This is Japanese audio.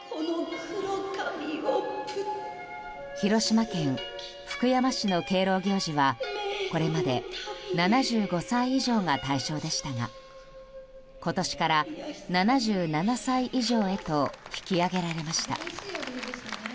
広島県福山市の敬老行事はこれまで７５歳以上が対象でしたが今年から７７歳以上へと引き上げられました。